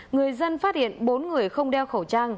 người dân phát hiện bốn người không đeo khẩu trang